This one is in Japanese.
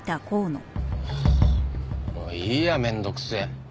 もういいや面倒くせえ。